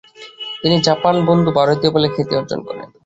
তিনি জাপান-বন্ধু ভারতীয় বলে খ্যাতি অর্জন করেন।